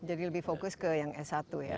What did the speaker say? jadi lebih fokus ke yang s satu ya